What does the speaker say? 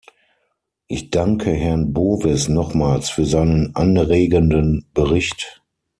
Ich danke Herrn Bowis nochmals für seinen anregenden Bericht.